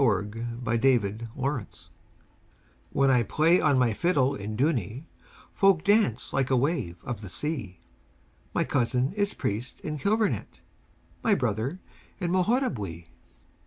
THE FIDDLER OF DOONEY When I play on my fiddle in Dooney, Folk dance like a wave of the sea; My cousin is priest in Kilvarnet, My brother in Moharabuiee.